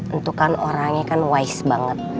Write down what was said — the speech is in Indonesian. itu kan orangnya kan wise banget